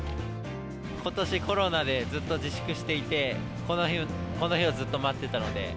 ことしコロナでずっと自粛していて、この日をずっと待ってたので。